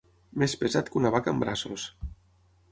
Més pesat que una vaca en braços.